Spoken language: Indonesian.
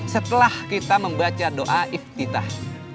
setelah kita membaca doa iftitah